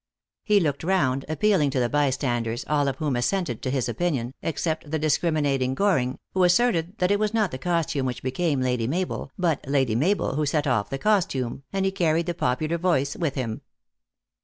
He looked round, appealing to the bystanders, all of whom assented to his opinion, except the discriminating Goring, who asserted that it was not the costume which became Lady Mabel, but Lady Mabel who set oft* the costume, and he carried the popular voice with him.